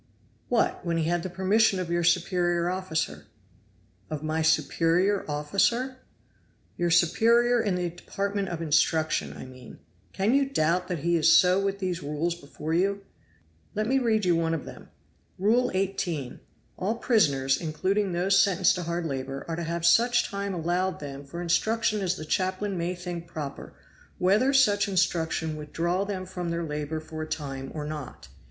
"What! when he had the permission of your superior officer." "Of my superior officer?" "Your superior in the department of instruction, I mean. Can you doubt that he is so with these rules before you? Let me read you one of them: 'Rule 18. All prisoners, including those sentenced to hard labor, are to have such time allowed them for instruction as the chaplain may think proper, whether such instruction withdraw them from their labor for a time or not.'